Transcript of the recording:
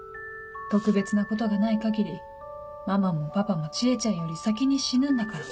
特別なことがない限りママもパパも知恵ちゃんより先に死ぬんだから。